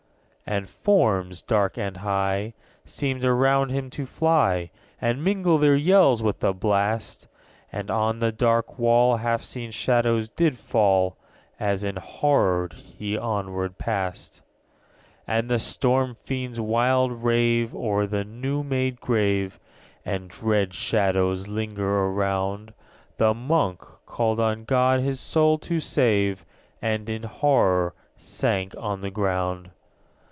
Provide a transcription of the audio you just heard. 12. And forms, dark and high, _65 Seemed around him to fly, And mingle their yells with the blast: And on the dark wall Half seen shadows did fall, As enhorrored he onward passed. _70 13. And the storm fiends wild rave O'er the new made grave, And dread shadows linger around. The Monk called on God his soul to save, And, in horror, sank on the ground.